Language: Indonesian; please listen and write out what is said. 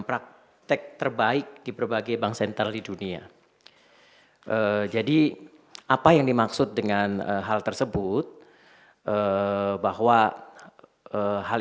praktek terbaik di berbagai bank sentral di dunia jadi apa yang dimaksud dengan hal tersebut bahwa hal